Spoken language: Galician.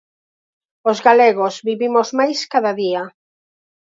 Os galegos vivimos máis cada día.